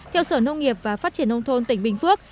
theo sở nông nghiệp và phát triển nông thôn tỉnh bình phước